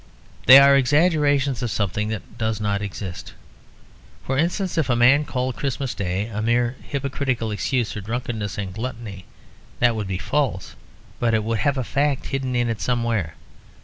They are exaggerations of something that does not exist. For instance, if a man called Christmas Day a mere hypocritical excuse for drunkenness and gluttony that would be false, but it would have a fact hidden in it somewhere.